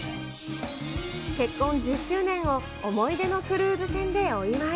結婚１０周年を思い出のクルーズ船でお祝い。